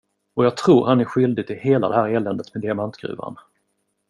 Och jag tror han är skyldig till hela det här eländet med diamantgruvan.